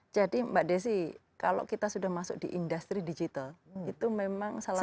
jadi mbak desy kalau kita sudah masuk di industri digital itu memang salah satu